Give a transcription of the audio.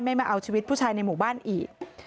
ไม่มาเอาชีวิตผู้ชายในหมู่บ้านอีก